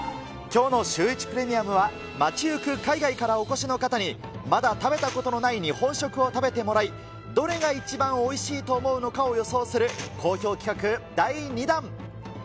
きょうのシューイチプレミアムは、街行く海外からお越しの方に、まだ食べたことのない日本食を食べてもらい、どれが一番おいしいと思うのかを予想する好評企画第２弾。